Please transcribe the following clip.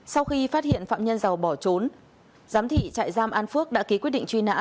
sau khi phát hiện phạm nhân dầu bỏ trốn giám thị trại giam an phước đã ký quyết định truy nã